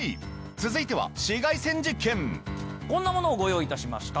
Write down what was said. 続いてはこんなものをご用意致しました。